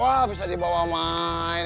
wah bisa dibawa main